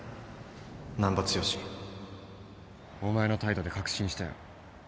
難破剛お前の態度で確信したよ。